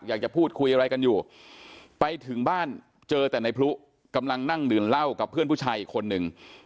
อยากจะพูดคุยอะไรกันอยู่ไปถึงบ้านเจอแต่ในพลุกำลังนั่งดื่มเหล้ากับเพื่อนผู้ชายอีกคนนึง